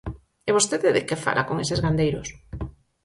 ¿E vostede de que fala con eses gandeiros?